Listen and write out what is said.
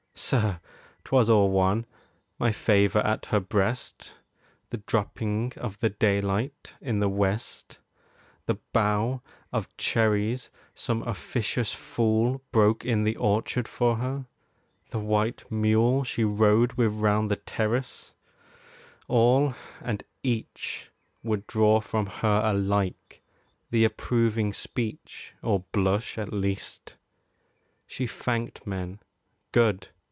Sir, 'twas all one! My favour at her breast, The dropping of the daylight in the West, The bough of cherries some officious fool Broke in the orchard for her, the white mule She rode with round the terrace all and each Would draw from her alike the approving speech, 30 Or blush, at least. She thanked men good!